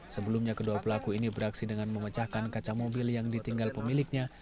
sebelumnya kedua pelaku ini beraksi dengan memecahkan kaca mobil yang ditinggal pemiliknya